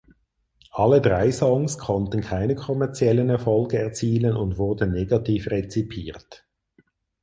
Alle drei Songs konnten keine kommerziellen Erfolge erzielen und wurden negativ rezipiert.